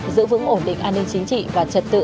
giữ vững ổn định an ninh chính trị và trật tự